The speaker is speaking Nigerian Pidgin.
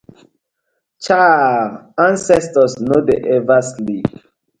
Chaaah!! Ancestors no dey ever sleep.